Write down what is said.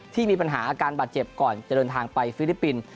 ที่มีปัญหาอาการบาดเจ็บก่อนจะเดินทางไปฟิลิปปินส์